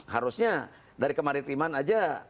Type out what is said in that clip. harusnya dari kemaritiman saja